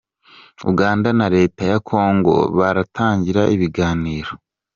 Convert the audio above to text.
Uganda na Leta ya kongo baratangira ibiganiro